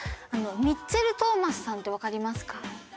ミッチェル・トーマスさんってわかりますか？